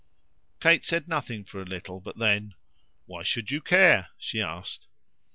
Kate said nothing for a little; but then, "Why should you care?" she asked.